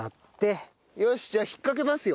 じゃあ引っかけますよ。